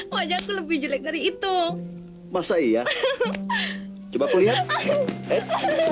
wajahku lebih jelek dari itu masa iya coba kulihat